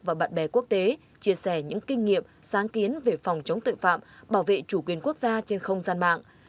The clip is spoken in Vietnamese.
và bạn bè quốc tế chia sẻ những kinh nghiệm sáng kiến về phòng chống tội phạm bảo vệ chủ quyền quốc gia trên không gian mạng